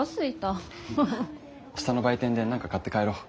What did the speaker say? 下の売店で何か買って帰ろう。